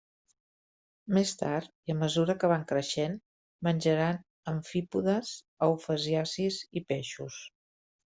Més tard, i a mesura que van creixent, menjaran amfípodes, eufausiacis i peixos.